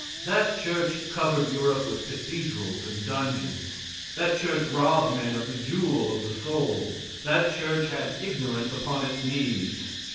That Church covered Europe with cathedrals and dungeons. That Church robbed men of the jewel of the soul. That Church had ignorance upon its knees.